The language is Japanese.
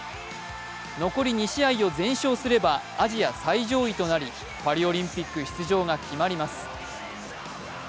残り２試合を全勝すればアジア最上位となり、パリオリンピック出場が決まります。